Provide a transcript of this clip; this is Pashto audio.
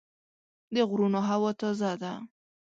د غرونو هوا تازه ده.